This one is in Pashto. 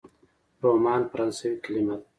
رومان فرانسوي کلمه ده.